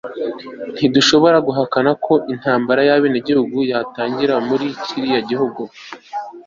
Ntidushobora guhakana ko intambara yabenegihugu yatangira muri kiriya gihugu